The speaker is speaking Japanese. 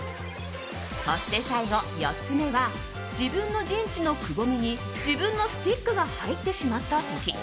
そして最後、４つ目は自分の陣地のくぼみに自分のスティックが入ってしまった時。